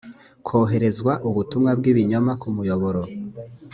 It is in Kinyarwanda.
hoherezwa ubutumwa bw ibinyoma ku muyoboro